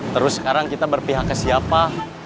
terus sekarang kita berpihak ke siapa